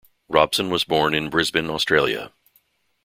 Robson was born in Brisbane, Australia.